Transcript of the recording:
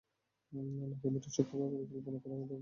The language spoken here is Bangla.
নাকি মিঠুন সূক্ষ্মভাবে পরিকল্পনা করে আমাদের বোকা বানিয়েছে।